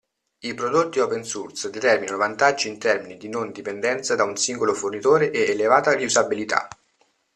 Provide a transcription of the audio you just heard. I prodotti open source determinano vantaggi in termini di non dipendenza da un singolo fornitore e elevata riusabilità.